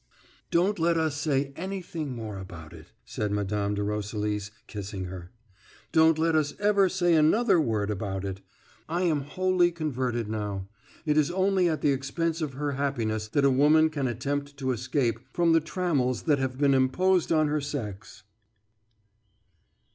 "Don't let us say anything more about it," said Mme. de Roselis, kissing her. "Don't let us ever say another word about it. I am wholly converted now. It is only at the expense of her happiness that a woman can attempt to escape from the trammels that have been imposed on her sex."